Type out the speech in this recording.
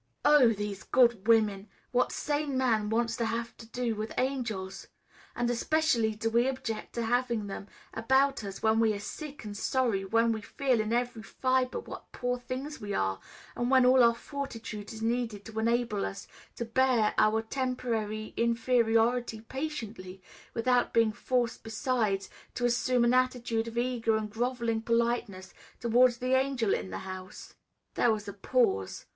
Oh, these good women! What sane man wants to have to do with angels? And especially do we object to having them about us when we are sick and sorry, when we feel in every fibre what poor things we are, and when all our fortitude is needed to enable us to bear our temporary inferiority patiently, without being forced besides to assume an attitude of eager and grovelling politeness towards the angel in the house." There was a pause.